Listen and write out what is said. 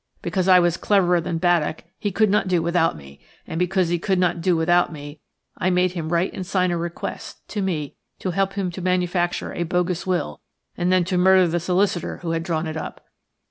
Because I was cleverer than Baddock he could not do without me, and because he could not do without me I made him write and sign a request to me to help him to manufacture a bogus will and then to murder the solicitor who had drawn it up.